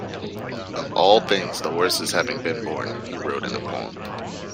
"Of all things, the worst is having been born", he wrote in a poem.